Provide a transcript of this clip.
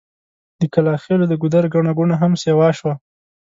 د کلاخېلو د ګودر ګڼه ګوڼه هم سيوا شوه.